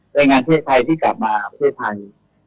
แรงงานเพศภัยที่กลับมาประเทศไทย